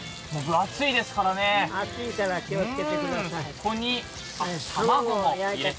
熱いから気をつけてください。